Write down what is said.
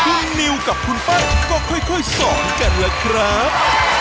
คุณนิวกับคุณปั้นก็ค่อยสอนกันล่ะครับ